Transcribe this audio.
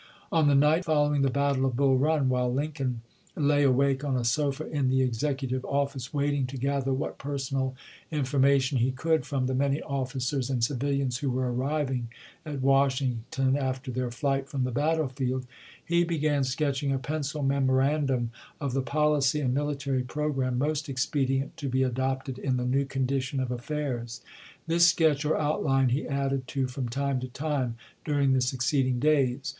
On the night following the battle of Bull Run, while Lincoln lay awake on a sofa in the Executive office, waiting to gather what personal information he could from the njany officers and civilians who were arriving at Washington after then* flight from the battlefield, he began sketching a pencil memo randum of the pohcy and military programme most expedient to be adopted in the new condition of af fairs. This sketch or outline he added to from time to time during the succeeding days.